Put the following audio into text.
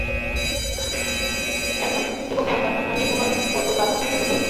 এবং এখন আমি তোমার মত গাধার সাথে বসে আছি।